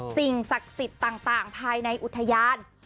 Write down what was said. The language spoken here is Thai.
สิ่งศักดิ์สิทธิ์ต่างภายในอุทยาน